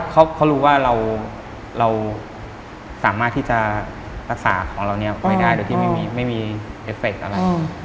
เขารู้ว่าเราสามารถที่จะรักษาของเราเนี่ยไว้ได้โดยที่ไม่มีเอฟเฟคอะไร